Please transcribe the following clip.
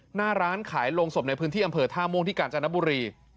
หน้าร้านขายโรงศพในพื้นที่อำเภอท่าม่วงที่กาญจนบุรี